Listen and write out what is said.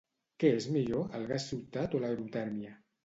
Què és millor, el gas ciutat o l'aerotèrmia?